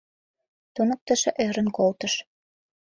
— туныктышо ӧрын колтыш.